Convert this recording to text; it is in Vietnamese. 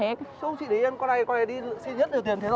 chứ không chị để em con này đi xin hết tiền thế rồi